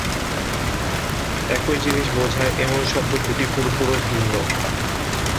একই জিনিস বোঝায় এমন শব্দ দুটো পুরোপুরি ভিন্ন।